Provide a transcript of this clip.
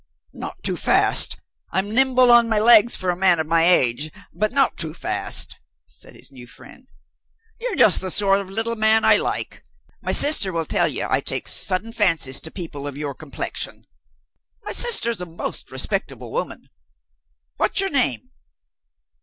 "Not too fast I'm nimble on my legs for a man of my age but not too fast," said his new friend. "You're just the sort of little man I like. My sister will tell you I take sudden fancies to people of your complexion. My sister's a most respectable woman. What's your name?